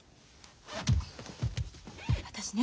私ね。